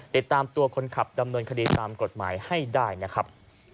ติดตามตัวคนขับดำเนินคดีตามกฎหมายให้ได้นะครับ